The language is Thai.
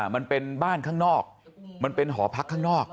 มันเป็นบ้านข้างนอกมันเป็นหอพักข้างนอก